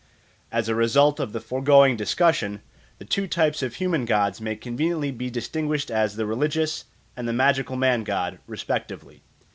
As a result of the foregoing discussion, the two types of human gods may conveniently be distinguished as the religious and the magical man god respectively.